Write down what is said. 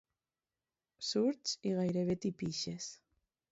Surts i gairebé t'hi pixes.